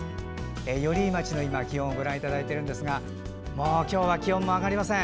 寄居町の気温をご覧いただいていますが今日は気温も上がりません。